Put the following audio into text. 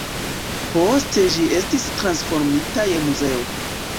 Poste ĝi estis transformita je muzeo.